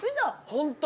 ホント。